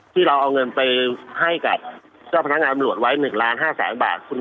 ที่เราเอาเงินไปให้กับเจ้าพนักงานอำรวจไว้๑ล้าน๕แสนบาท